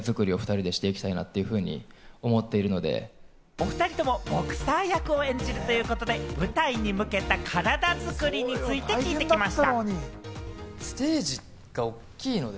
お２人ともボクサー役を演じるということで、舞台に向けた体作りについて聞いてきました。